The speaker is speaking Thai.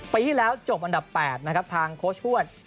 ปีที่แล้วจบอันดับ๘ทางโค้ชหัว